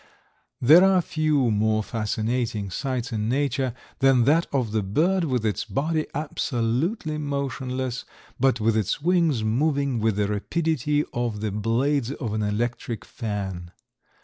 There are few more fascinating sights in nature than that of the bird with its body absolutely motionless, but with its wings moving with the rapidity of the blades of an electric fan.